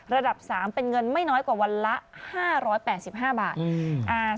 ระดับ๓เป็นเงินไม่น้อยกว่าวันละ๕๘๕บาท